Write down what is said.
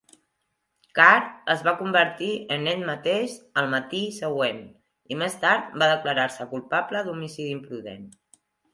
Carr es va convertir en ell mateix el matí següent i més tard va declarar-se culpable d'homicidi imprudent.